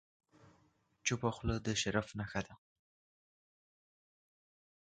چپه خوله، د شرف نښه ده.